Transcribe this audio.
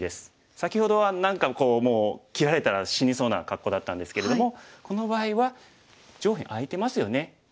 先ほどは何かこうもう切られたら死にそうな格好だったんですけれどもこの場合は上辺空いてますよね。